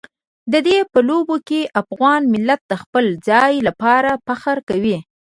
د دوی په لوبو کې افغان ملت د خپل ځای لپاره فخر کوي.